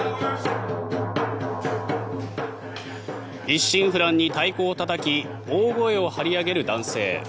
一心不乱に太鼓をたたき大声を張り上げる男性。